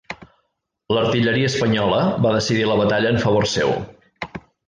L'artilleria espanyola va decidir la batalla en favor seu.